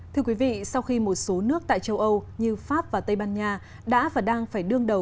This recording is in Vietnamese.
thưa quý vị sau khi một số nước tại châu âu như pháp và tây ban nha đã và đang phải đương đầu